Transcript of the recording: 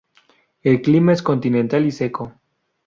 El clima es continental y seco.